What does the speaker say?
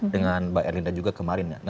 dengan mbak erlinda juga kemarin